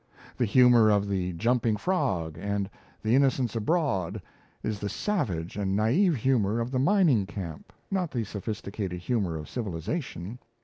The humour of 'The Jumping Frog' and 'The Innocents Abroad' is the savage and naive humour of the mining camp, not the sophisticated humour of civilization.